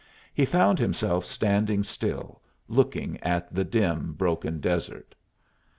He found himself standing still, looking at the dim, broken desert.